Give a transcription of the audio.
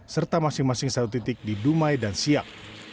serta masing masing satu titik di dumai dan siak